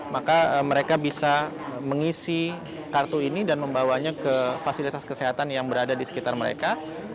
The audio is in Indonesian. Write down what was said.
maka mereka bisa mengisi kartu ini dan membawanya ke fasilitas kesehatan yang berada di sekitar mereka